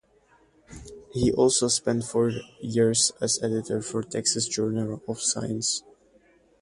He also spent four years as editor for the "Texas Journal of Science".